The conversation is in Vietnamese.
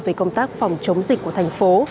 về công tác phòng chống dịch của thành phố